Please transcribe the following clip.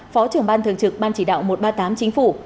phó trưởng ban thường trực ban chỉ đạo một trăm ba mươi tám chính phủ